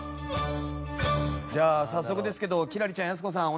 じゃあ早速ですけど輝星ちゃんやす子さん